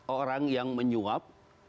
orang yang menyuap